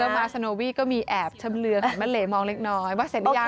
เจ้ามาสโนวี่ก็มีแอบชำเรือขัดมะเหลมองเล็กน้อยว่าเสร็จหรือยัง